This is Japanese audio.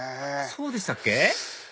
そうでしたっけ？